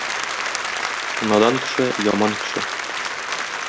Надан кеше — яман кеше.